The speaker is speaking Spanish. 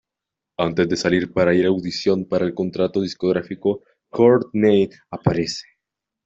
Antes de salir para ir audición para el contrato discográfico, Courtney aparece.